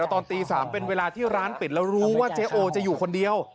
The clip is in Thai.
ดังเกี่ยวกันที่ตอบเมื่อร้านกลิ่นแล้วรู้ว่าเจ๊โอจะอยู่คนเดียว